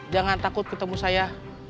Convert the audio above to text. jangan takut ketemu saya